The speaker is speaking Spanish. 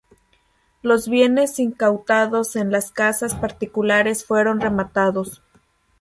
Los bienes incautados en las casas particulares fueron rematados.